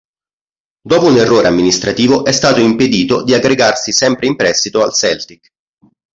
Dopo un errore amministrativo è stato impedito di aggregarsi sempre in prestito al Celtic.